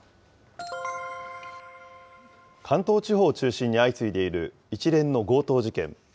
関東地方を中心に相次いでいる一連の強盗事件。